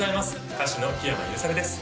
歌手の木山裕策です